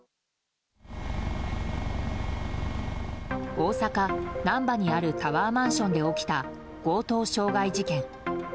大阪・難波にあるタワーマンションで起きた強盗傷害事件。